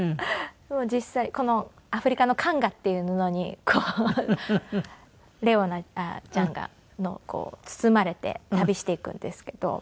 実際このアフリカのカンガっていう布にレオナちゃんが包まれて旅していくんですけど。